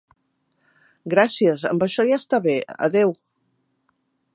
Gràcies, amb això ja està bé, adeu!